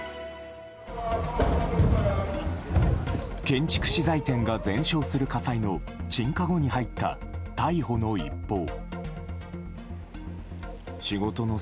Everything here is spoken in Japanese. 建築資材店が全焼する火災の鎮火後に入った逮捕の一報。